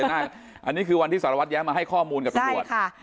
อันนี้คือวันที่สารวัตรแย้มาให้ข้อมูลกับตำรวจ